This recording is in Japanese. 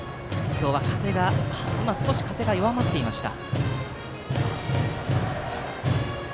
今、少し風が弱まっていました。